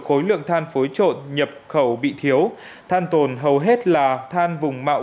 khối lượng than phối trộn nhập khẩu bị thiếu than tồn hầu hết là than vùng mạo